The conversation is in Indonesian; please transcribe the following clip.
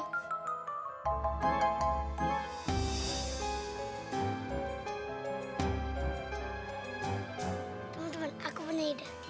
temen temen aku punya ide